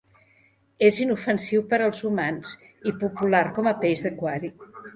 És inofensiu per als humans i popular com a peix d'aquari.